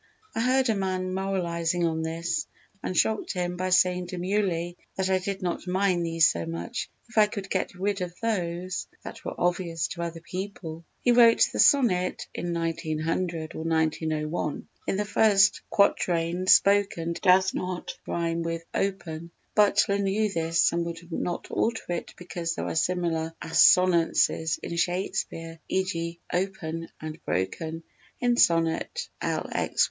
_ I heard a man moralising on this and shocked him by saying demurely that I did not mind these so much_, if I could get rid of those that were obvious to other people." He wrote the sonnet in 1900 or 1901. In the first quatrain "spoken" does not rhyme with "open"; Butler knew this and would not alter it because there are similar assonances in Shakespeare, e.g. "open" and "broken" in Sonnet LXI.